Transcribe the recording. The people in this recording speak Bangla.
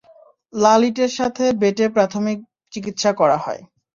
লাল ইটের সাথে বেটে প্রাথমিক চিকিৎসা করা হয়।